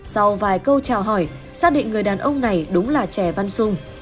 sau vài câu trả hỏi xác định người đàn ông này đúng là trẻ văn sung